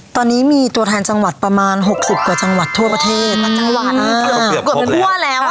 ตอนนี้มีตัวแทนจังหวัดประมาณหกสิบกว่าจังหวัดทั่วประเทศจังหวัดอ่าเกือบเกือบ